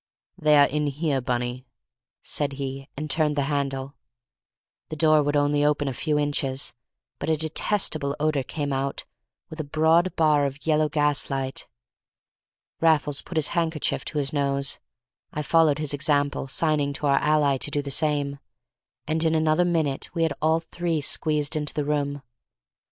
"They are in here, Bunny," he said, and turned the handle. The door would only open a few inches. But a detestable odor came out, with a broad bar of yellow gaslight. Raffles put his handkerchief to his nose. I followed his example, signing to our ally to do the same, and in another minute we had all three squeezed into the room.